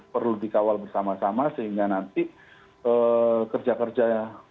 perlu dikawal bersama sama sehingga nanti kerja kerja